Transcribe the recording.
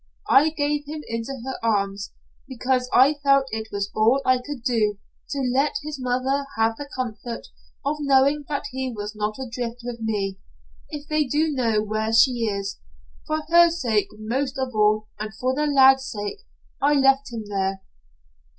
I gave him into her arms, because I felt it was all I could do to let his mother have the comfort of knowing that he was not adrift with me if they do know where she is. For her sake most of all and for the lad's sake I left him there.